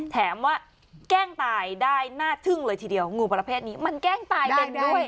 แถมว่าแกล้งตายได้น่าทึ่งเลยทีเดียวงูประเภทนี้มันแกล้งตายเป็นด้วย